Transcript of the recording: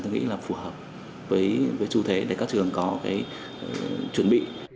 tôi nghĩ là phù hợp với xu thế để các trường có cái chuẩn bị